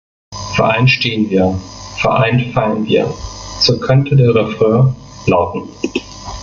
Vereint stehen wir, vereint fallen wir so könnte der Refrain lauten.